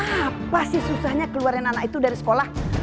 apa sih susahnya keluarin anak itu dari sekolah